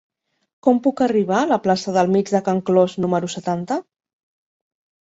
Com puc arribar a la plaça del Mig de Can Clos número setanta?